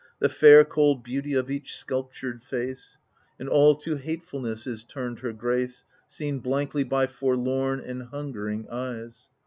The fair cold beauty of each sculptured face — And all to hatefulness is turned their grace. Seen blankly by forlorn and hungering eyes